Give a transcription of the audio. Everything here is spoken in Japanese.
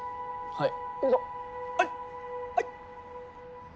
はい！